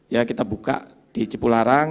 ya kita buka di cipularang